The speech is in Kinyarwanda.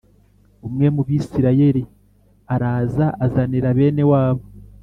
Umwe mu Bisirayeli araza azanira bene wabo